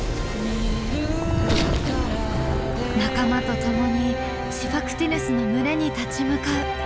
仲間と共にシファクティヌスの群れに立ち向かう。